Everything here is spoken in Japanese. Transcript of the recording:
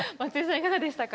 いかがでしたか？